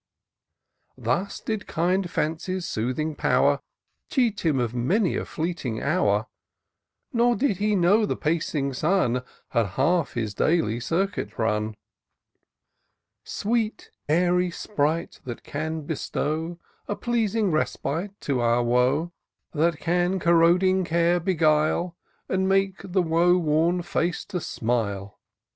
Thus did kind Fancy's soothing power Cheat him of many a fleeting hour ; Nor did he know the pacing Sun Had half his daily circuit run. Sweet, airy sprite, that can bestow A pleasing respite to our woe ; That can corroding care beguile, And make the woe worn face to smile